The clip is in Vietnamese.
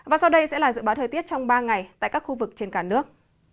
và sau đây sẽ là dự báo thời tiết trong ba ngày tại các khu vực trên cả nước